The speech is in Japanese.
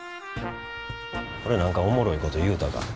俺何かおもろいこと言うたか？